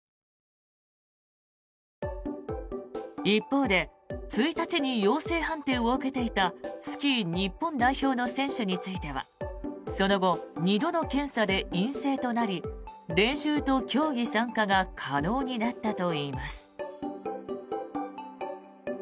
一方で１日に陽性判定を受けていたスキー日本代表の選手についてはその後、２度の検査で陰性となり練習と競技参加が可能になったといいます。